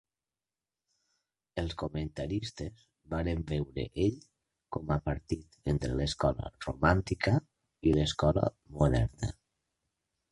Els comentaristes varen veure ell com a partit entre l'escola 'romàntica' i l'escola 'Moderna'.